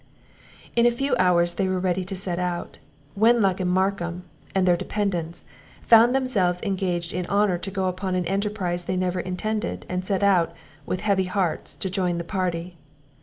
In a few hours they were ready to set out. Wenlock and Markham, and their dependants, found themselves engaged in honour to go upon an enterprize they never intended; and set out, with heavy hearts, to join the party.